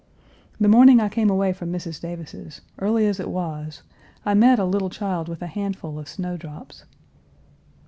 The morning I came away from Mrs. Davis's, early as it was, I met a little child with a handful of snow drops.